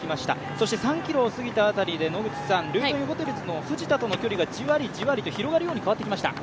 そして３ｋｍを過ぎた辺りでルートインホテルズの藤田との距離がじわりじわりと広がるように変わってきました。